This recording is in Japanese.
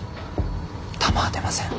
弾は出ません。